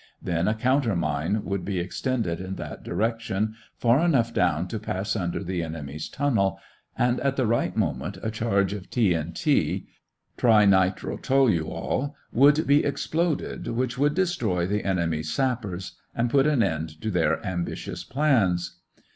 Then a counter mine would be extended in that direction, far enough down to pass under the enemy's tunnel, and at the right moment, a charge of TNT (trinitrotoluol) would be exploded, which would destroy the enemy's sappers and put an end to their ambitious plans.